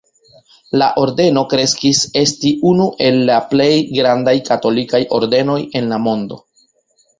La ordeno kreskis esti unu el la plej grandaj katolikaj ordenoj en la mondo.